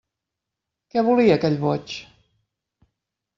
Què volia aquell boig?